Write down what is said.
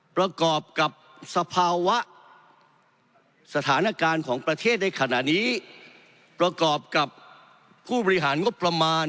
ประกอบกับสภาวะสถานการณ์ของประเทศในขณะนี้ประกอบกับผู้บริหารงบประมาณ